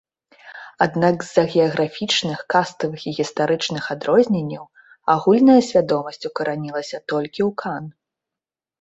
Аднак з-за геаграфічных, каставых і гістарычных адрозненняў агульная свядомасць укаранілася толькі ў кан.